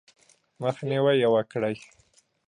مخنیوی یې وکړئ :